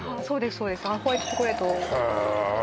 そうですホワイトチョコレートへえ